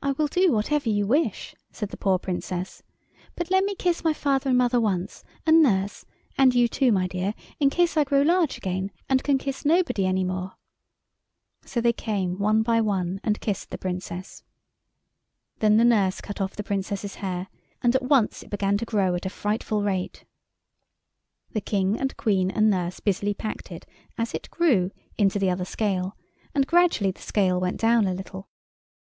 "I will do whatever you wish," said the poor Princess, "but let me kiss my father and mother once, and Nurse, and you, too, my dear, in case I grow large again and can kiss nobody any more." So they came one by one and kissed the Princess. Then the nurse cut off the Princess's hair, and at once it began to grow at a frightful rate. The King and Queen and nurse busily packed it, as it grew, into the other scale, and gradually the scale went down a little.